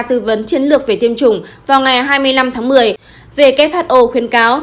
tư vấn chiến lược về tiêm chủng vào ngày hai mươi năm tháng một mươi who khuyến cáo